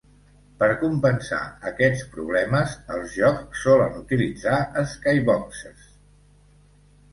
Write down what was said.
Per compensar aquests problemes, els jocs solen utilitzar "skyboxes".